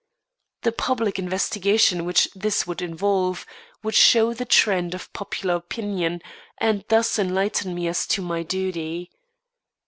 The public investigation which this would involve, would show the trend of popular opinion, and thus enlighten me as to my duty.